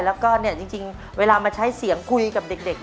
แล้วก็จริงเวลามาใช้เสียงคุยกับเด็ก